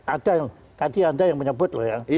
ada yang tadi anda yang menyebut loh ya